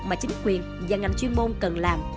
mà chính quyền và ngành chuyên môn cần làm